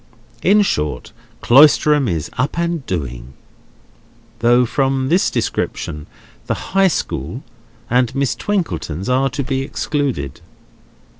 In short, Cloisterham is up and doing: though from this description the High School and Miss Twinkleton's are to be excluded.